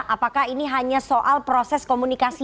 apakah ini hanya soal proses komunikasi